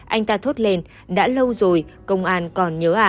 anh ta thốt lên đã lâu rồi công an còn nhớ à